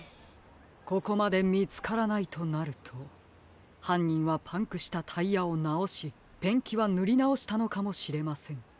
ここまでみつからないとなるとはんにんはパンクしたタイヤをなおしペンキはぬりなおしたのかもしれません。